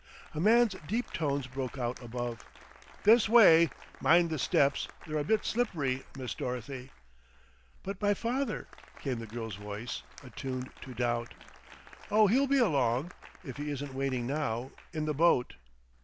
A man's deep tones broke out above. "This way. Mind the steps; they're a bit slippery, Miss Dorothy." "But my father ?" came the girl's voice, attuned to doubt. "Oh, he'll be along if he isn't waiting now, in the boat."